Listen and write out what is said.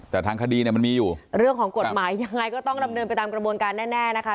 แต่ทางคดีเนี่ยมันมีอยู่เรื่องของกฎหมายยังไงก็ต้องดำเนินไปตามกระบวนการแน่แน่นะคะ